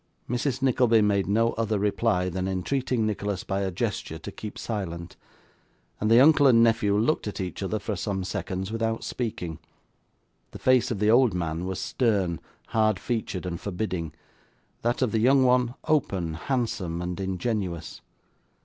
Mrs. Nickleby made no other reply than entreating Nicholas by a gesture to keep silent; and the uncle and nephew looked at each other for some seconds without speaking. The face of the old man was stern, hard featured, and forbidding; that of the young one, open, handsome, and ingenuous.